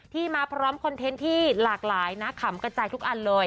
มาพร้อมคอนเทนต์ที่หลากหลายนะขำกระจายทุกอันเลย